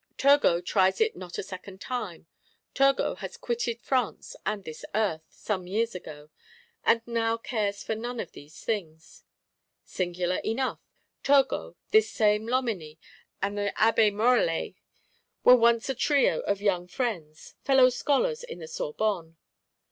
Turgot tries it not a second time: Turgot has quitted France and this Earth, some years ago; and now cares for none of these things. Singular enough: Turgot, this same Loménie, and the Abbé Morellet were once a trio of young friends; fellow scholars in the Sorbonne.